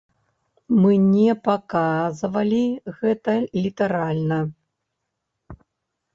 Мы не паказвалі гэта літаральна.